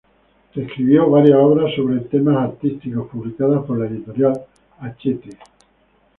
Escribió varias obras sobre temas artísticos, publicadas por la editorial Hachette.